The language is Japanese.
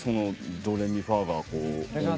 ドレミファが。